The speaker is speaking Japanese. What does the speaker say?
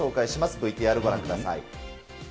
ＶＴＲ、ご覧ください。